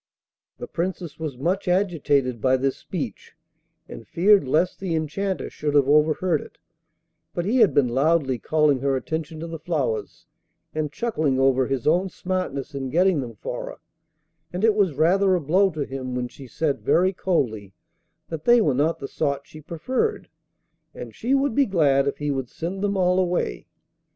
The Princess was much agitated by this speech, and feared lest the Enchanter should have overheard it; but he had been loudly calling her attention to the flowers, and chuckling over his own smartness in getting them for her; and it was rather a blow to him when she said very coldly that they were not the sort she preferred, and she would be glad if he would send them all away.